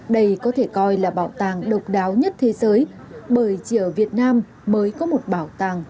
đây có thể coi là bảo tàng độc đáo nhất thế giới bởi chỉ ở việt nam mới có một bảo tàng